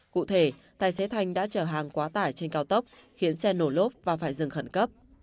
cụ thể tài xế thanh đã chở hàng quá tải trên cao tốc khiến xe nổ lốp và phải dừng khẩn cấp